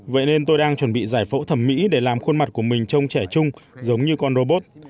vậy nên tôi đang chuẩn bị giải phẫu thẩm mỹ để làm khuôn mặt của mình trông trẻ chung giống như con robot